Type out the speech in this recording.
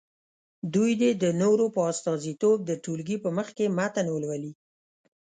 دوی دې د نورو په استازیتوب د ټولګي په مخکې متن ولولي.